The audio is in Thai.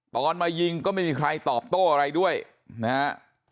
ตอนมายิงก็ไม่มีใครตอบโต้อะไรด้วยนะฮะ